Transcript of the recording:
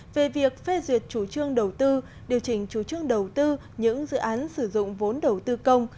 về việc phê duyệt chủ trương đầu tư điều chỉnh chủ trương đầu tư những dự án sử dụng vốn đầu tư công